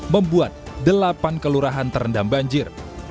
membuat delapan kelurahan terendam banjir